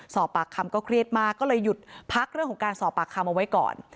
สอบปากคำก็เครียดมากก็เลยหยุดพักเรื่องของการสอบปากคำเอาไว้ก่อน